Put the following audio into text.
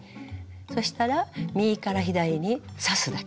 そしたら右から左に刺すだけ。